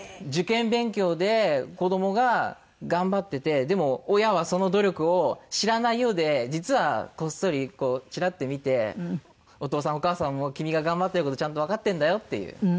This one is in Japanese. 受験勉強で子どもが頑張っててでも親はその努力を知らないようで実はこっそりこうチラって見てお父さんお母さんも君が頑張ってる事ちゃんとわかってるんだよっていう。